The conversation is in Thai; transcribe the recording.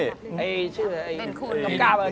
เฮ้ยเชื่อ